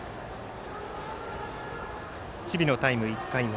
守備のタイム１回目。